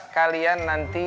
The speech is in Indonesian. kalian nanti akan dibagi